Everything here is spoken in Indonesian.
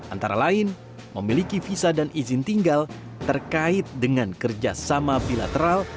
antara lain memiliki visa dan izin tinggal terkait dengan kerjasama bilateral